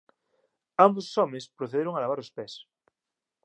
Ambos os homes procederon a lavar os pés.